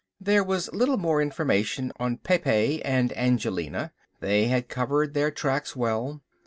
There was little more information on Pepe and Angelina, they had covered their tracks well.